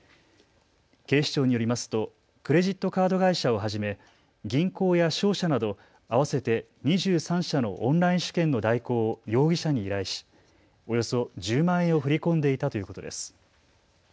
警視庁によりますとクレジットカード会社をはじめ銀行や商社など合わせて２３社のオンライン試験の代行を容疑者に依頼しおよそ１０万円を振り込んでいたということです。